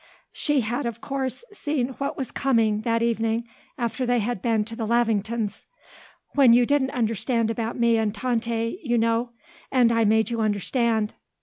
She had of course seen what was coming that evening after they had been to the Lavington's; "When you didn't understand about me and Tante, you know; and I made you understand."